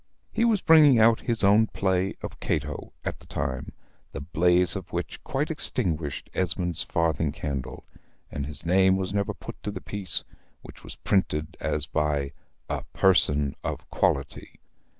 He was bringing out his own play of "Cato" at the time, the blaze of which quite extinguished Esmond's farthing candle; and his name was never put to the piece, which was printed as by a Person of Quality.